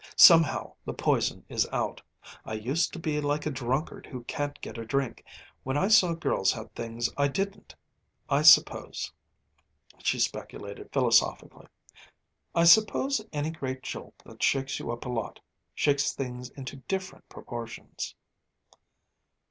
Somehow the poison is out. I used to be like a drunkard who can't get a drink, when I saw girls have things I didn't. I suppose," she speculated philosophically, "I suppose any great jolt that shakes you up a lot, shakes things into different proportions."